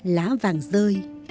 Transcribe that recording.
lá vàng rơi